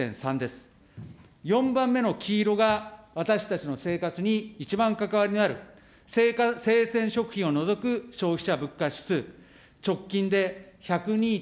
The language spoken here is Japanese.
４番目の黄色が私たちの生活に一番関わりのある、生鮮食品を除く消費者物価指数、直近で１０２．５です。